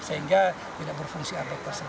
sehingga tidak berfungsi air tersebut